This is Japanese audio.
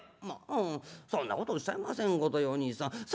『まあそんなことおっしゃいませんことよおにいさん。